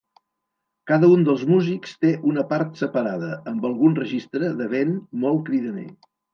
Cada un dels músics té una part separada, amb algun registre de vent molt cridaner.